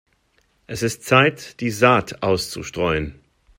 Es ist Zeit, die Saat auszustreuen.